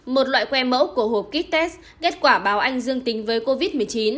một loại que mẫu của hộp kit test kết quả báo anh dương tính với covid một mươi chín